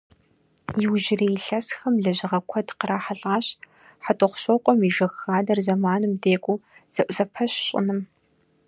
Иужьрей илъэсхэм лэжьыгъэ куэд кърахьэлӏащ Хьэтӏохъущокъуэм и жыг хадэр зэманым декӏуу зэӏузэпэщ щӏыным.